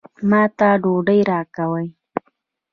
ما ته ډوډۍ راکوي.